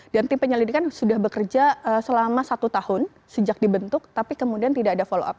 dan tim penyelidikan sudah bekerja selama satu tahun sejak dibentuk tapi kemudian tidak ada follow up